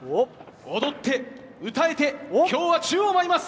踊って歌えてきょうは宙を舞います。